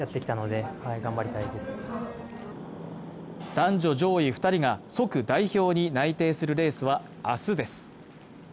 男女上位２人が即代表に内定するレースは明日です。